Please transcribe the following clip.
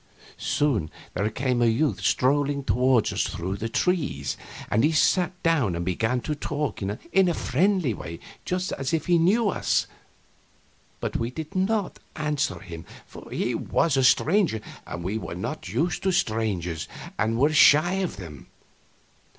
Soon there came a youth strolling toward us through the trees, and he sat down and began to talk in a friendly way, just as if he knew us. But we did not answer him, for he was a stranger and we were not used to strangers and were shy of them.